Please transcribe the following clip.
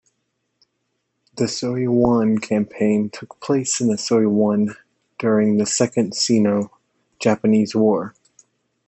The Suiyuan Campaign took place in Suiyuan during the Second Sino Japanese War.